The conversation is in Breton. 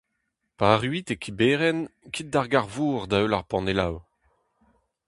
Pa erruit e Kiberen, kit d'ar gar-vor da-heul ar panelloù.